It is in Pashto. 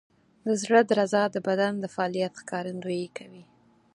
د زړه درزا د بدن د فعالیت ښکارندویي کوي.